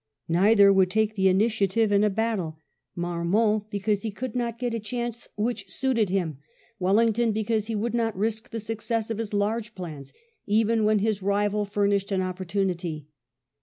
Neither would take the initiative in a battle, Marmont because he could VIII BEGINS THE SALAMANCA CAMPAIGN 165 not get a chance which suited him, Wellington because he would not risk the success of his large plans, even when his rival furnished an opportunity.